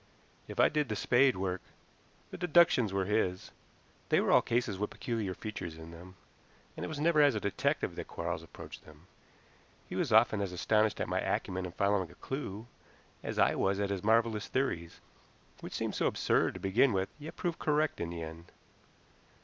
If I did the spade work, the deductions were his. They were all cases with peculiar features in them, and it was never as a detective that Quarles approached them. He was often as astonished at my acumen in following a clew as I was at his marvelous theories, which seemed so absurd to begin with yet proved correct in the end.